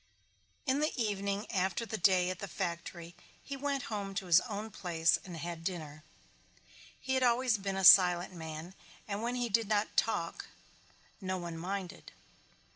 In the evening after the day at the factory he went home to his own place and had dinner. He had always been a silent man and when he did not talk no one minded.